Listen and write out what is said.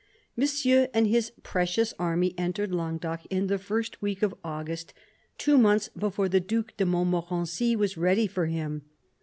Monsieur and his precious army entered Languedoc in the first week of August, two months before the Due de Montmorency was ready for him.